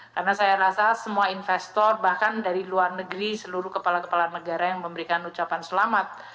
karena saya rasa semua investor bahkan dari luar negeri seluruh kepala kepala negara yang memberikan ucapan selamat